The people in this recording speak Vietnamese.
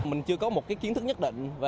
mình chưa có một kiến thức nhất định